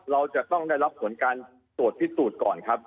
เราจะต้องได้รับผลการตรวจพิสูจน์ก่อนครับ